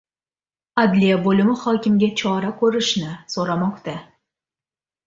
Adliya bo‘limi hokimga chora ko‘rishni so‘ramoqda